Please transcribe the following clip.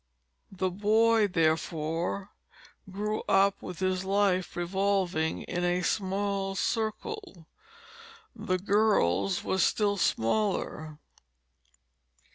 The boy, therefore, grew up with his life revolving in a small circle; the girl's was still smaller.